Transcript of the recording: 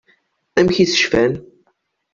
Amek i s-cfan?